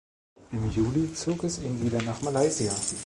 Im Juli zog es ihn wieder nach Malaysia.